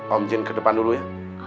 om jin ke depan dulu ya